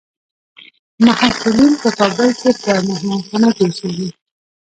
محصلین په کابل کې په مهانخانه کې اوسیږي.